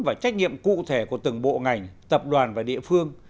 và trách nhiệm cụ thể của từng bộ ngành tập đoàn và địa phương